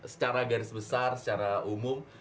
secara garis besar secara umum